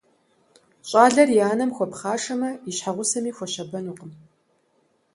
Щӏалэр и анэм хуэпхъашэмэ, и щхьэгъусэми хуэщабэнукъым.